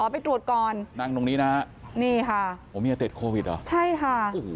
ไปตรวจก่อนนั่งตรงนี้นะฮะนี่ค่ะโอ้เมียติดโควิดเหรอใช่ค่ะโอ้โห